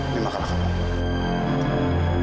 ini makalah kamu